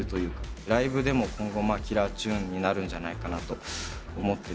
ライブでも今後キラーチューンになるんじゃないかなと思ってて。